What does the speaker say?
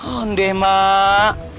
oh deh mak